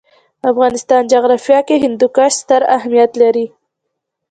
د افغانستان جغرافیه کې هندوکش ستر اهمیت لري.